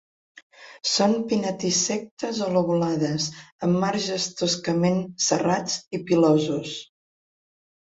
Són pinnatisectes o lobulades, amb marges toscament serrats i pilosos.